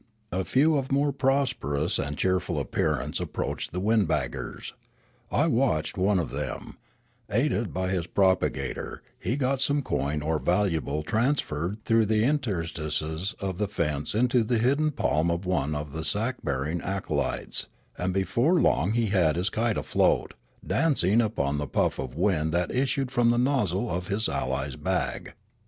A few of more prosperous and cheerful appearance approached the windbaggers ; I watched one of them : aided by his propagator, he got some coin or valuable transferred through the inter stices of the fence into the hidden palm of one of the sack bearing acolytes, and before long he had his kite afloat, dancing upon the puff of wind that issued from the nozzle of his ally's bag.